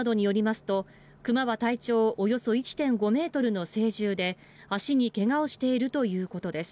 警察などによりますと、クマは体長およそ１．５ｍの成獣で、足にけがをしているということです。